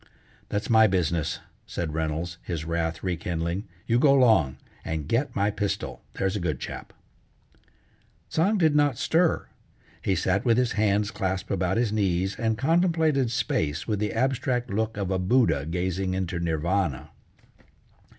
"That's my business," said Reynolds, his wrath rekindling. "You go 'long, and get my pistol; there's a good chap." Tsang did not stir; he sat with his hands clasped about his knees, and contemplated space with the abstract look of a Buddha gazing into Nirvana.